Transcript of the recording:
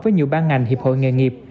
với nhiều ban ngành hiệp hội nghề nghiệp